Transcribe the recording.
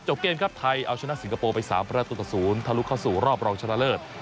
เกมครับไทยเอาชนะสิงคโปร์ไป๓ประตูต่อ๐ทะลุเข้าสู่รอบรองชนะเลิศ